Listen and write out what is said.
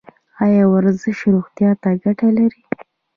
ایا ورزش روغتیا ته ګټه لري؟